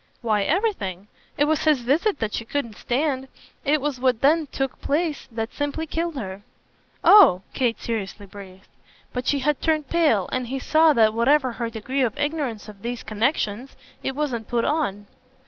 "Why everything. It was his visit that she couldn't stand it was what then took place that simply killed her." "Oh!" Kate seriously breathed. But she had turned pale, and he saw that, whatever her degree of ignorance of these connexions, it wasn't put on.